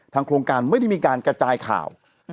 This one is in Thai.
โครงการไม่ได้มีการกระจายข่าว